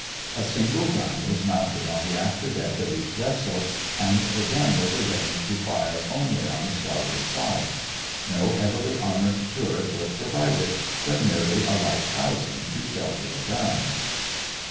A single gun was mounted on the after deck of each vessel and the gun was arranged to fire only on the starboard side. No heavily armored turret was provided, but merely a light housing to shelter the gun.